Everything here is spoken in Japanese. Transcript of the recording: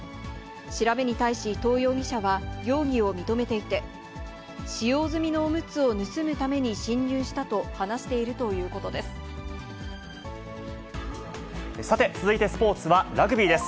調べに対し伊藤容疑者は容疑を認めていて、使用済みのおむつを盗むために侵入したと話しているということでさて、続いてスポーツはラグビーです。